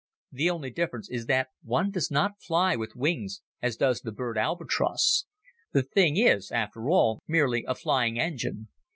The only difference is that one does not fly with wings, as does the bird albatros. The thing is, after all, merely a flying engine.